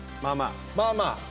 まあまあ。